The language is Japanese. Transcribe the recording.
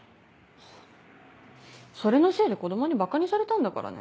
ハァそれのせいで子供にばかにされたんだからね？